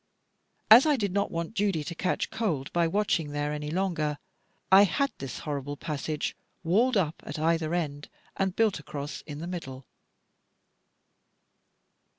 As I did not want Judy to catch cold by watching there any longer, I had this horrible passage walled up at either end, and built across in the middle.